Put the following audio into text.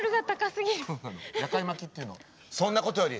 そんなことより。